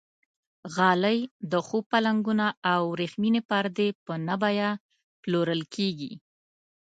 غالۍ، د خوب پالنګونه او وریښمینې پردې په نه بیه پلورل کېږي.